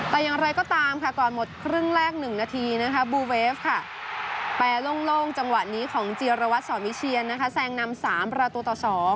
แต่อย่างไรก็ตามค่ะก่อนหมดครึ่งแรก๑นาทีนะคะบูเวฟค่ะแปรโล่งจังหวะนี้ของจีรวัตรสอนวิเชียนนะคะแซงนำ๓ประตูต่อ๒